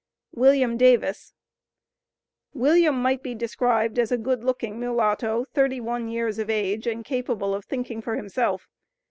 WILLIAM DAVIS. William might be described as a good looking mulatto, thirty one years of age, and capable of thinking for himself.